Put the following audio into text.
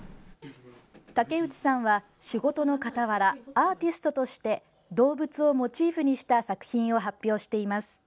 竹内さんは仕事の傍らアーティストとして動物をモチーフにした作品を発表しています。